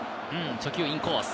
初球はインコース。